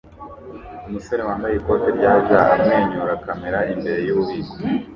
Umusore wambaye ikoti rya jean amwenyura kamera imbere yububiko